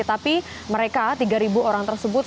tapi mereka tiga orang tersebut